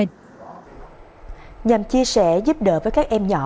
nhằm chia sẻ giúp đỡ với các em nhỏ